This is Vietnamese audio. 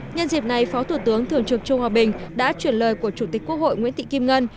nhân dịp này phó thủ tướng thường trực trương hòa bình đã chuyển lời của chủ tịch quốc hội nguyễn thị kim ngân